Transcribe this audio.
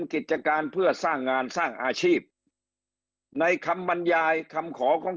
กิจการเพื่อสร้างงานสร้างอาชีพในคำบรรยายคำขอของ